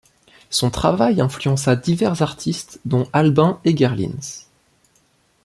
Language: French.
Son travail influença divers artistes dont Albin Egger-Lienz.